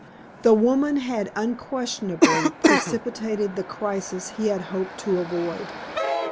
The woman had unquestionably precipitated the crisis he had hoped to avoid.